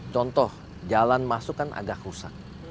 contoh jalan masuk kan agak rusak